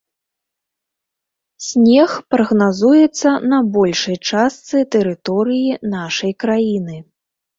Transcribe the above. Снег прагназуецца на большай частцы тэрыторыі нашай краіны.